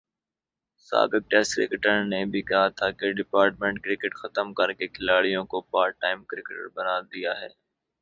سابق test cricketer نے بھی کہا تھا کہ ڈپارٹمنٹ کرکٹ ختم کر کے کھلاڑیوں کو پارٹ ٹائم کرکٹر بنادیا ہے۔